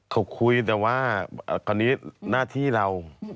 เขาคุยแต่ว่าตอนนี้หน้าที่เรา